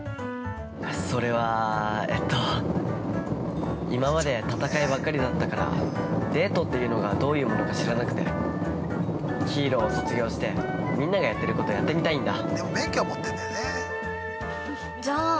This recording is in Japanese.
◆それは、えっと今まで戦いばっかりだったからデートというのがどういうものか知らなくてヒーローを卒業してみんながやっていることやってみたいんだ。